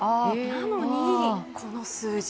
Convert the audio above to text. なのに、この数字。